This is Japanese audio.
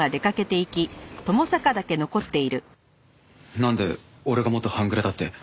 なんで俺が元半グレだって。